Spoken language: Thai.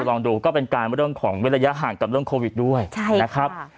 ลองดูก็เป็นการเรื่องของเว้นระยะห่างกับเรื่องโควิดด้วยนะครับ